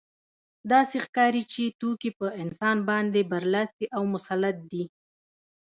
داسې ښکاري چې توکي په انسان باندې برلاسي او مسلط دي